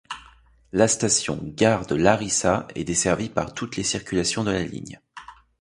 La station Gare de Lárissa est desservie par toutes les circulations de la ligne.